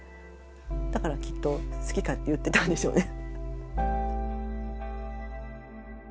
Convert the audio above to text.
だからきっと好き勝手言ってたんでしょうね。